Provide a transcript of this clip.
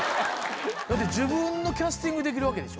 だって自分のキャスティングできるわけでしょ？